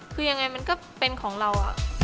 คือยังไงมันก็เป็นของเรา